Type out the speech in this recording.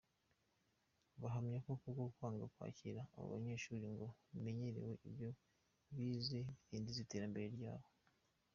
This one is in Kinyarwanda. Bahamya ko uko kwanga kwakira abo banyeshuri, ngo bimenyereze ibyo bize bidindiza iterambere ryabo.